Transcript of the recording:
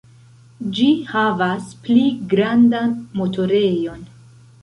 Ĝi havas pli grandan motorejon.